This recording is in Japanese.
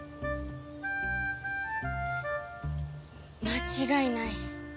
間違いない。